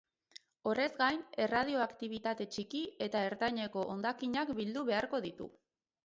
Horrez gain, erradioaktibitate txiki eta ertaineko hondakinak bildu beharko ditu.